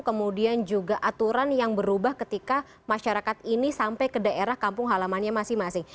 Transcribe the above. kemudian juga aturan yang berubah ketika masyarakat ini sampai ke daerah kampung halamannya masing masing